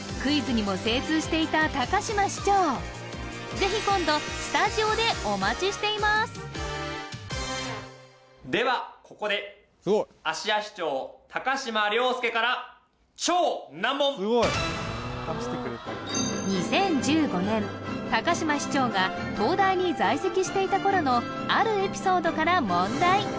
ぜひ今度スタジオでお待ちしていますではここで芦屋市長高島りょうすけから２０１５年高島市長が東大に在籍していた頃のあるエピソードから問題